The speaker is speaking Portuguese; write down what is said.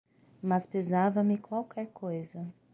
Mas pesava-me qualquer coisa